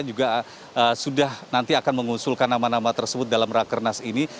juga sudah nanti akan mengusulkan nama nama tersebut dalam rakernas ini